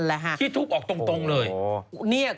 ปลาหมึกแท้เต่าทองอร่อยทั้งชนิดเส้นบดเต็มตัว